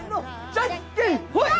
じゃんけんほい。